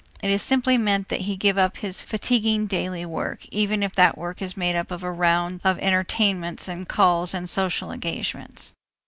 It is simply meant that he give up his fatiguing daily work, even if that work is made up of a round of entertainments and calls and social engagements.